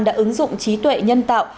đã ứng dụng trí tuệ nhân tạo